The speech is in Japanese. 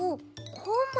「こま」。